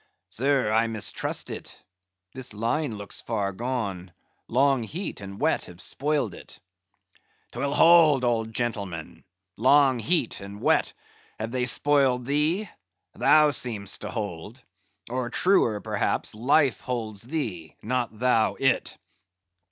"Sir, I mistrust it; this line looks far gone, long heat and wet have spoiled it." "'Twill hold, old gentleman. Long heat and wet, have they spoiled thee? Thou seem'st to hold. Or, truer perhaps, life holds thee; not thou it."